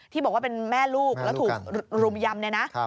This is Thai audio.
ที่บอกว่าเป็นแม่ลูกแล้วถูกรุมยำเนี่ยนะ